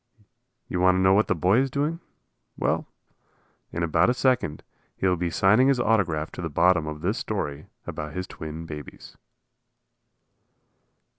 You want to know what the boy is doing? Well, in about a second he will be signing his autograph to the bottom of this story about his twin babies.